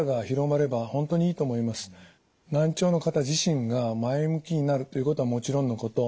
難聴の方自身が前向きになるということはもちろんのこと